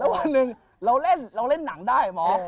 แล้ววันหนึ่งเราเล่นหนังได้เหรอหมอ